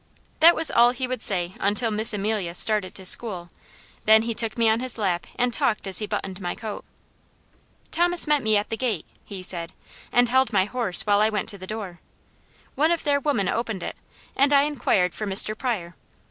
That was all he would say until Miss Amelia started to school, then he took me on his lap and talked as he buttoned my coat. "Thomas met me at the gate," he said, "and held my horse while I went to the door. One of their women opened it, and I inquired for Mr. Pryor.